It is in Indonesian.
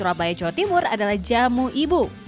yang terkenal di surabaya jawa timur adalah jamu ibu